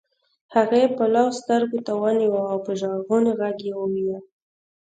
هغې پلو سترګو ته ونيوه او په ژړغوني غږ يې وويل.